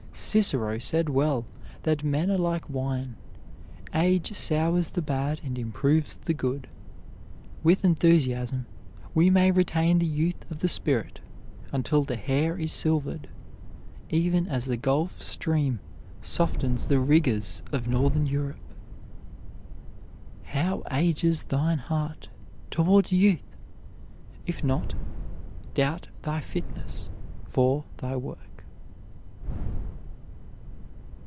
Cicero said well that men are like wine: age sours the bad and improves the good. With enthusiasm we may retain the youth of the spirit until the hair is silvered, even as the Gulf Stream softens the rigors of northern Europe. "How ages thine heart, towards youth? If not, doubt thy fitness for thy work."